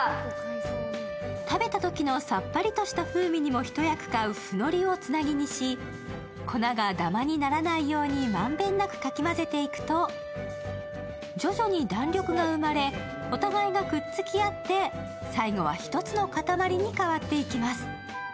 食べたときのさっぱりとした風味にも一役買うふのりをつなぎにし、粉がダマにならないように満遍なくかき混ぜていくと徐々に弾力が生まれ、お互いがくっつき合って、最後は１つの塊に変わっていきます